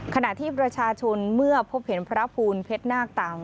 ขณะที่ประชาชนเมื่อพบเห็นพระภูลเพชรนาคต่าง